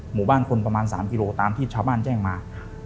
หมู่บ้านคนประมาณ๓กิโลตามที่ชาวบ้านแจ้งมา